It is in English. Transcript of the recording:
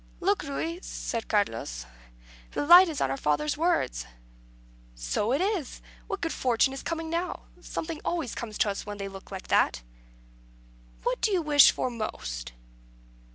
"Look, Ruy," said Carlos, "the light is on our father's words!" "So it is! What good fortune is coming now? Something always comes to us when they look like that." "What do you wish for most?"